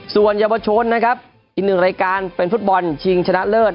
ส่วนเยาวชนนะครับอีกหนึ่งรายการเป็นฟุตบอลชิงชนะเลิศ